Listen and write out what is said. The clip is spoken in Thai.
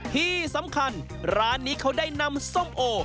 ที่สำคัญร้านนี้เขาได้นำส้มโอ